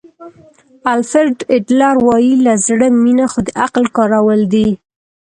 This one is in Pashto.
الفرډ اډلر وایي له زړه مینه خو د عقل کارول دي.